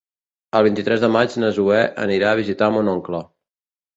El vint-i-tres de maig na Zoè anirà a visitar mon oncle.